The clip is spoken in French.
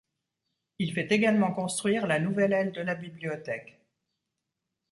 Il fait également construire la nouvelle aile de la bibliothèque.